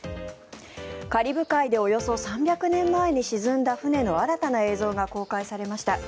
カリブ海でおよそ３００年前に沈んだ船の新たな映像が公開されました。